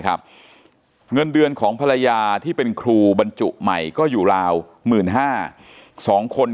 เงินเดือนของภรรยาที่เป็นครูบรรจุใหม่ก็อยู่ราว๑๕๐๐๒คน